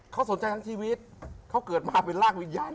เขาสนใจทั้งชีวิตเขาเกิดมาเป็นร่างวิญญาณ